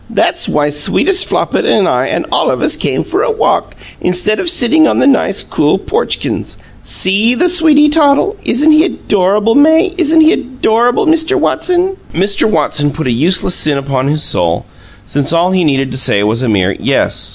"That's why sweetest Flopit and I and all of us came for a walk, instead of sitting on the nice, cool porch kins. SEE the sweetie toddle! Isn't he adorable, May? ISN'T he adorable, Mr. Watson?" Mr. Watson put a useless sin upon his soul, since all he needed to say was a mere "Yes."